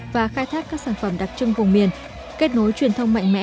và khai thác các sản phẩm đặc trưng vùng miền kết nối truyền thông mạnh mẽ